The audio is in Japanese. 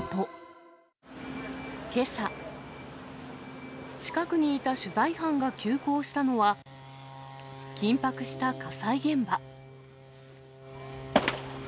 けさ、近くにいた取材班が急行したのは、緊迫した火災現場。